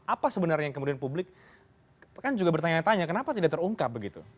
apa sebenarnya yang kemudian publik kan juga bertanya tanya kenapa tidak terungkap begitu